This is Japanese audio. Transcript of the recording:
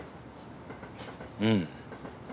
うん。